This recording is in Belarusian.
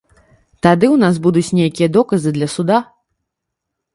Тады ў нас будуць нейкія доказы для суда.